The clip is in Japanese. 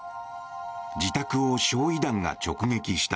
自宅を焼い弾が直撃した。